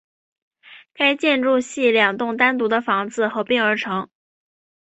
该建筑系两栋单独的房子合并而成。